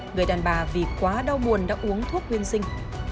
người đàn bà vì quá đau buồn đã uống thuốc nguyên sinh